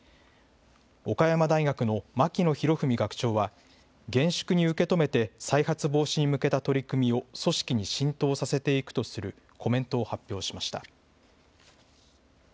岡山大学の槇野博史学長は、厳粛に受け止めて、再発防止に向けた取り組みを組織に浸透させていくとするコメント